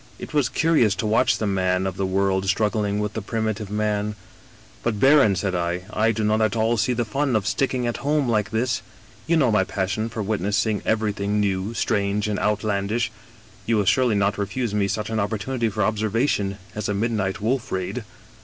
" It was curious to watch the man of the world strug gling with the primitive man. "* But, baron,' said I, ' I do not at all see the fun ot 127 English Myst^y Stories sticking at home like this. You know my passion for wit nessing everything new, strange, and outlandish. You will surely not refuse me such an opportunity for observation as a midnight wolf raid.